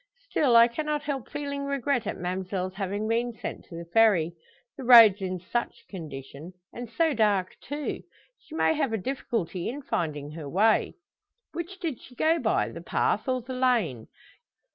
Still, I cannot help feeling regret at ma'mselle's having been sent to the Ferry the roads in such condition. And so dark, too she may have a difficulty in finding her way. Which did she go by the path or the lane?